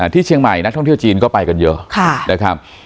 ที่เชียงใหม่นักท่องเที่ยวจีนก็ไปกันเยอะนะครับ